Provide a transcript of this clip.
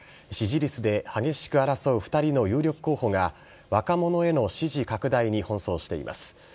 支持率で激しく争う２人の有力候補が、若者への支持拡大に奔走しています。